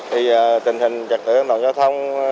thì tình hình trật tự an toàn giao thông